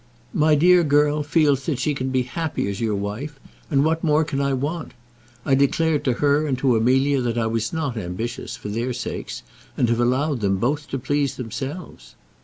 My dear girl feels that she can be happy as your wife, and what more can I want? I declared to her and to Amelia that I was not ambitious, for their sakes, and have allowed them both to please themselves."